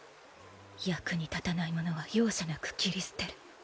役に立たないものは容赦なく切り捨てる。